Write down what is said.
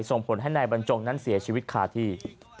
ส่งผลให้นายบรรจงนั้นเสียชีวิตคาที่